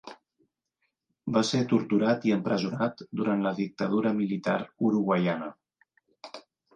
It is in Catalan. Va ser torturat i empresonat durant la dictadura militar uruguaiana.